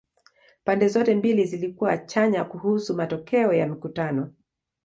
Pande zote mbili zilikuwa chanya kuhusu matokeo ya mikutano.